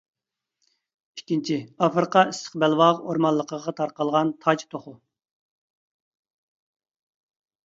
ئىككىنچى، ئافرىقا ئىسسىق بەلباغ ئورمانلىقىغا تارقالغان «تاج توخۇ» .